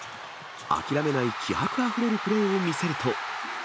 諦めない気迫あふれるプレーを見せると。